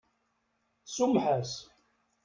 Tsumeḥ-as.